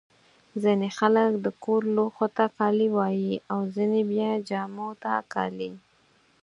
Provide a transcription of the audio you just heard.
ځيني خلک د کور لوښو ته کالي وايي. او ځيني بیا جامو ته کالي.